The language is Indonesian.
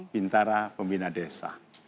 bintara pembina desa